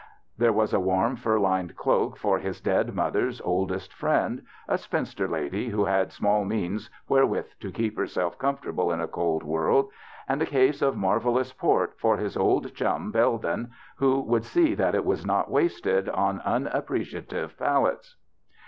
There was a warm, fur lined cloak for his dead mother's oldest friend, a spinster lady who had small means wherewith to keep herself comfortable in a cold world, and a case of marvellous port for his old chum, Belden, who would see that it was not wasted on unappreciative palates.